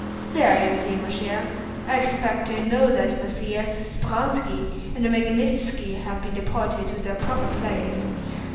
"There, you see, mon cher! I expect you know that Messrs. Speránski and Magnítski have been deported to their proper place.